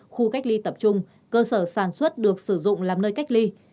khu cách ly tập trung cơ sở sản xuất được sử dụng làm nơi cách ly